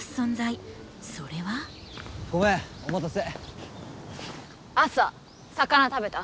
ごめんお待たせ。